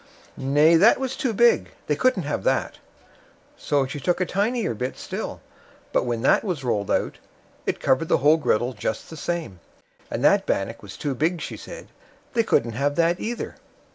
Nay, that was too big; they couldn't have that. So she took a tinier bit still; but when that was rolled out, it covered the whole griddle just the same, and that bannock was too big, she said; they couldn't have that either.